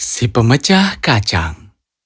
si pemecah kacang